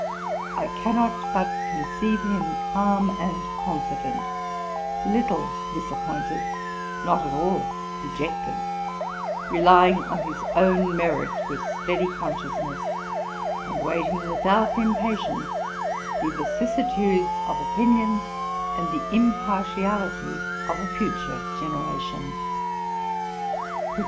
I cannot but conceive him calm and confident, little disappointed, not at all dejected, relying on his own merit with steady consciousness, and waiting without impatience the vicissitudes of opinion, and the impartiality of a future generation.'